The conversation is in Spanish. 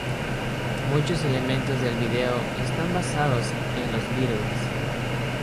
Muchos elementos del video están basados en Los Beatles.